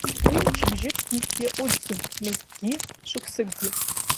Уи мчыбжьыкгьы иаҟәыҵӡом, мызкгьы, шықәсыкгьы.